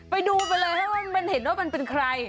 ไปดูไปเลยให้มันเห็นว่ามันเป็นใคร